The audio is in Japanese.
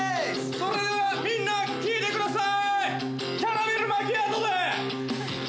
それではみんな聴いてください！